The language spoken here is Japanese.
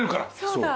そう。